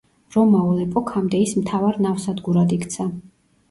რომაულ ეპოქამდე ის მთავარ ნავსადგურად იქცა.